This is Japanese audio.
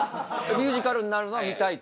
ミュージカルになるのが見たいと。